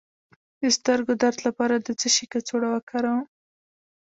د سترګو درد لپاره د څه شي کڅوړه وکاروم؟